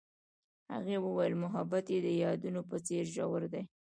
هغې وویل محبت یې د یادونه په څېر ژور دی.